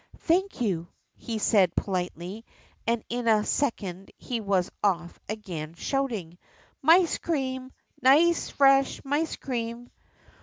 "Thank you," he said politely and in a second he was off again shouting, "Mice cream! Nice fresh mice cream!"